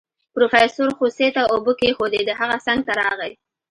پروفيسر خوسي ته اوبه کېښودې د هغه څنګ ته راغی.